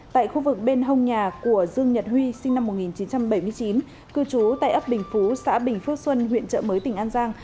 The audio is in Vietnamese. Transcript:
tại khu vực bên hông nhà của dương nhật huy sinh năm một nghìn chín trăm bảy mươi chín cư trú tại ấp bình phú xã bình phước xuân huyện trợ mới tỉnh an giang